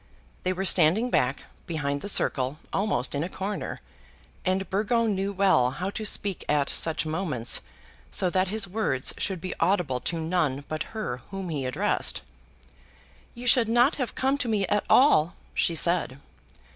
They were standing back, behind the circle, almost in a corner, and Burgo knew well how to speak at such moments so that his words should be audible to none but her whom he addressed. "You should not have come to me at all," she said.